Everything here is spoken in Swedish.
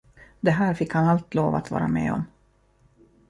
Det här fick han allt lov att vara med om.